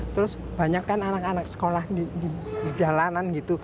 terus banyak kan anak anak sekolah di jalanan gitu